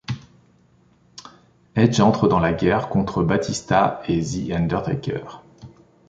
Edge entre dans la guerre contre Batista et The Undertaker.